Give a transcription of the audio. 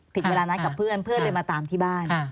เวลานัดกับเพื่อนเพื่อนเลยมาตามที่บ้าน